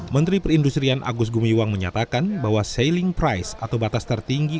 menteri perindustrian agus gumiwang menyatakan bahwa sailing price atau batas tertinggi